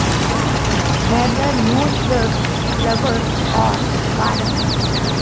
There were no shrubs flowers or gardens.